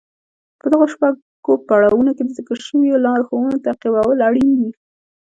په دغو شپږو پړاوونو کې د ذکر شويو لارښوونو تعقيبول اړين دي.